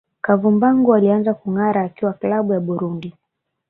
Kavumbagu alianza kungara akiwa klabu ya Burundi